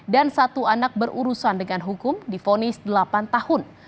dan satu anak berurusan dengan hukum difonis delapan tahun